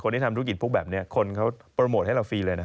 ที่ทำธุรกิจพวกแบบนี้คนเขาโปรโมทให้เราฟรีเลยนะ